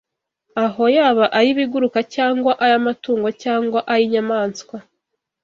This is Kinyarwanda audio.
aho yaba ay’ibiguruka cyangwa ay’amatungo cyangwa ay’inyamaswa.